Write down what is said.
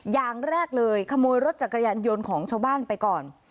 อย่างแรกเลยขโมยรถจักรยานยนต์ของชาวบ้านไปก่อน